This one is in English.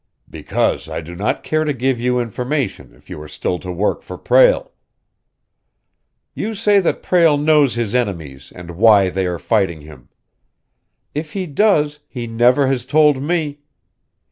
"Because I do not care to give you information if you are still to work for Prale." "You say that Prale knows his enemies and why they are fighting him. If he does, he never has told me.